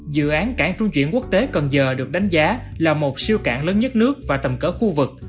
dự án cảng trung chuyển quốc tế cần giờ được đánh giá là một siêu cảng lớn nhất nước và tầm cỡ khu vực